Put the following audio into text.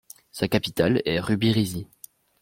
Sa capitale est Rubirizi.